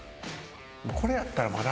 これやったらまだ。